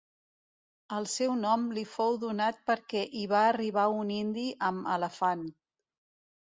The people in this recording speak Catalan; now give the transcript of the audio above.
El seu nom li fou donat perquè hi va arribar un indi amb elefant.